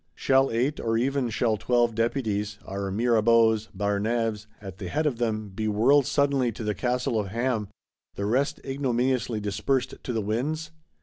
Shall eight, or even shall twelve Deputies, our Mirabeaus, Barnaves at the head of them, be whirled suddenly to the Castle of Ham; the rest ignominiously dispersed to the winds?